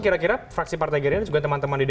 kira kira fraksi partai gerian juga teman teman di dpr